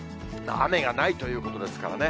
雨がないということですからね。